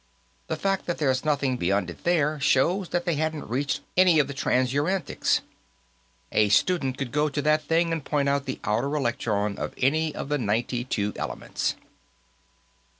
"The fact that there's nothing beyond it there shows that they hadn't created any of the transuranics. A student could go to that thing and point out the outer electron of any of the ninety two elements."